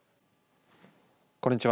こんにちは。